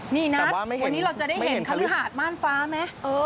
นี่นะวันนี้เราจะได้เห็นคฤหาดม่านฟ้าไหม